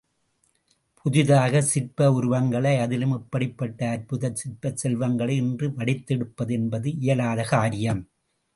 புதிதாகச் சிற்ப உருவங்களை அதிலும் இப்படிப்பட்ட அற்புதச் சிற்பச் செல்வங்களை இன்று வடித்தெடுப்பது என்பது இயலாத காரியம்.